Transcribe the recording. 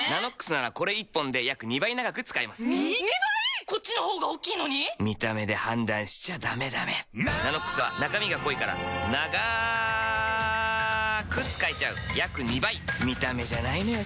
「ＮＡＮＯＸ」ならこれ１本で約２倍長く使えますに・・・・２倍⁉こっちの方が大きいのに⁉見た目で判断しちゃダメダメ「ＮＡＮＯＸ」は中身が濃いからながーーーく使えちゃう約２倍見た目じゃないのよ